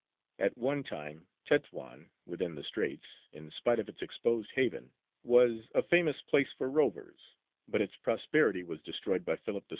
At one time Tetwān, within the Straits, in spite of its exposed haven, was a famous place for rovers, but its prosperity was destroyed by Philip II.